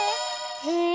へえ